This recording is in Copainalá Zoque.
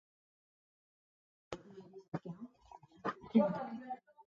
-Najskäsi waʼa nyuʼku maka yaye.-